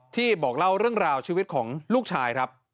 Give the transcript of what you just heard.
บอกเล่าเรื่องราวชีวิตของลูกชายครับ